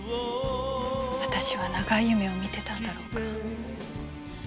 私は長い夢を見てたんだろうか？